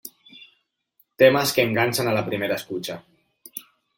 Temas que enganchan a la primera escucha.